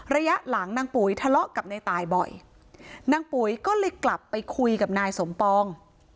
ระยะหลังนางปุ๋ยทะเลาะกับในตายบ่อยนางปุ๋ยก็เลยกลับไปคุยกับนายสมปอง